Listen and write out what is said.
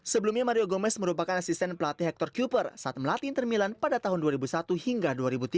sebelumnya mario gomez merupakan asisten pelatih hector keeper saat melatih inter milan pada tahun dua ribu satu hingga dua ribu tiga